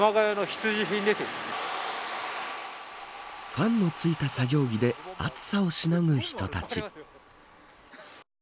ファンの付いた作業着で暑さをしのぐ人たち。